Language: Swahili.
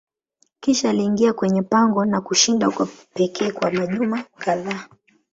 Kisha aliingia kwenye pango na kushinda huko pekee kwa majuma kadhaa.